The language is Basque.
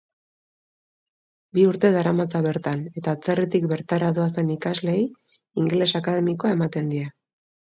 Bi urte daramatza bertan eta atzerritik bertara doazen ikasleei ingeles akademikoa ematen die.